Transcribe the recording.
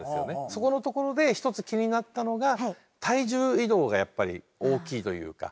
そこのところで一つ気になったのが体重移動がやっぱり大きいというか。